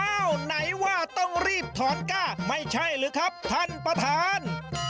ไหนว่าต้องรีบถอนก้าไม่ใช่หรือครับท่านประธาน